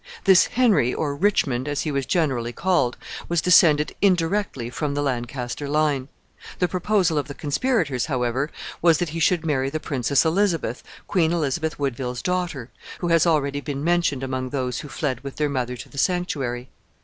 This Henry, or Richmond, as he was generally called, was descended indirectly from the Lancaster line. The proposal of the conspirators, however, was, that he should marry the Princess Elizabeth, Queen Elizabeth Woodville's daughter, who has already been mentioned among those who fled with their mother to the sanctuary.